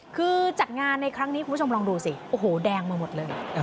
คือจัดงานในครั้งนี้คุณผู้ชมลองดูสิโอ้โหแดงมาหมดเลย